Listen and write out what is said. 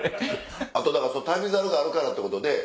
あと『旅猿』があるからってことで。